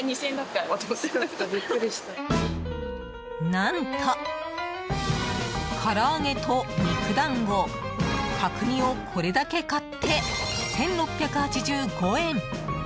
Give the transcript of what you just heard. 何と、から揚げと肉団子角煮をこれだけ買って１６８５円。